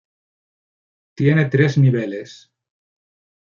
Tiene tres niveles.